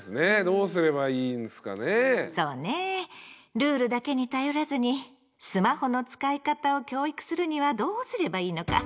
ルールだけに頼らずにスマホの使い方を教育するにはどうすればいいのか。